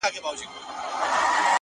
لوبي وې،